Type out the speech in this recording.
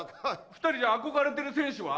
２人憧れてる選手は？